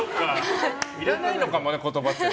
いらないのかもな、言葉って。